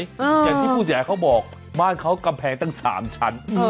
อย่างที่ผู้เสียหายเขาบอกบ้านเขากำแพงตั้ง๓ชั้น